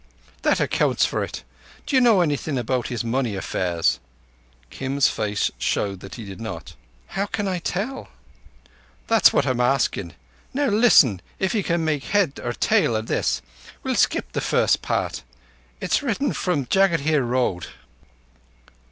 "That accounts for it. D'you know anything about his money affairs?" Kim's face showed that he did not. "How can I tell?" "That's what I'm askin'. Now listen if you can make head or tail o' this. We'll skip the first part ... It's written from Jagadhir Road